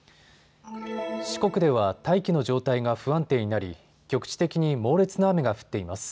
四国では大気の状態が不安定になり局地的に猛烈な雨が降っています。